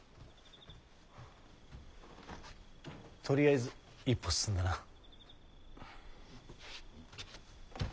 とりあえず一歩進んだな。